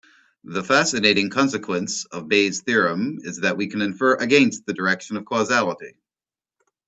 The fascinating consequence of Bayes' theorem is that we can infer against the direction of causality.